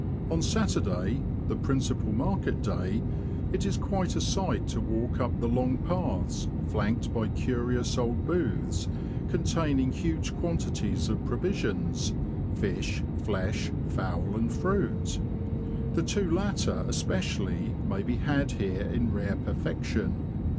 On Saturday, the principal market day it is quite a sight to walk up the long paths, flanked by curious old booths containing huge quantities of provisions — fish, flesh, fowl, and fruit ; the two latter especially may be had here in rare perfection.